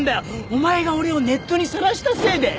お前が俺をネットに晒したせいで！